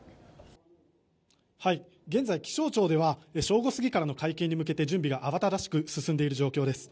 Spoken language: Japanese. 現在、気象庁では正午過ぎからの会見に向けて準備が慌ただしく進んでいる状況です。